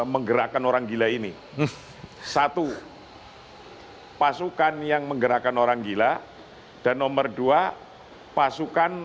menggerakkan orang gila ini satu pasukan yang menggerakkan orang gila dan nomor dua pasukan